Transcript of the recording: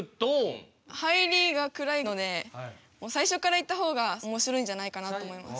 入りが暗いのでもう最初からいった方がおもしろいんじゃないかなと思います。